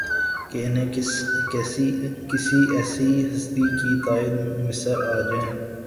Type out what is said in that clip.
کہ انہیں کسی ایسی ہستی کی تائید میسر آ جائے